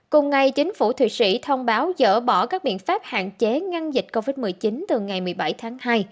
cùng ngày chính phủ thụy sĩ thông báo dỡ bỏ các biện pháp hạn chế ngăn dịch covid một mươi chín từ ngày một mươi bảy tháng hai